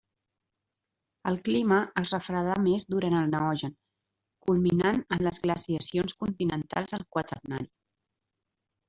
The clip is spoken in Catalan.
El clima es refredà més durant el Neogen, culminant en les glaciacions continentals al Quaternari.